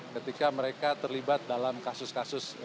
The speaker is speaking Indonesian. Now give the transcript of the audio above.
ketika mereka terlibat dalam kasus kasus skam online